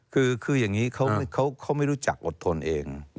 คืออย่างนี้เขาไม่รู้จักอดทนเอง